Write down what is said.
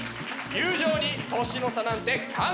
友情に年の差なんて関係ない。